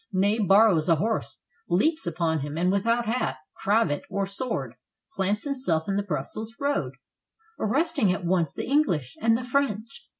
Ney borrows a horse, leaps upon him, and without hat, cravat, or sword, plants himself in the Brussels road, arresting at once the Enghsh and the French.